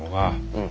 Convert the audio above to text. うん。